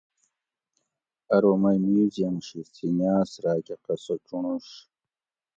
ارو مئ میوزیم شی سنگاۤس راۤکہ قصہ چُنڑوش